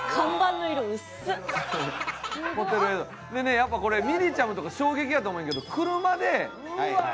でねやっぱこれみりちゃむとか衝撃やと思うんやけどはあ？